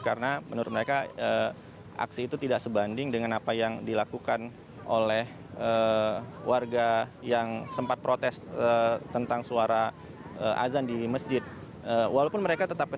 karena menurut mereka aksi itu tidak sebanding dengan apa yang dilakukan oleh warga yang sempat berpengalaman